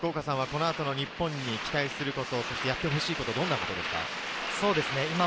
福岡さんはこのあとの日本に期待すること、やってほしいこと、どんなことですか？